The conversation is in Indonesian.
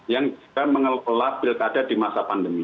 yang juga mengelak pilkada di masa pandemi